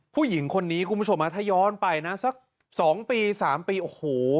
ผู้หญิงคนนี้คุณผู้ชมถ้าย้อนไปนะสัก๒ปี๓ปีโอ้โห